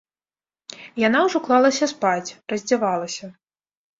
Яна ўжо клалася спаць, раздзявалася.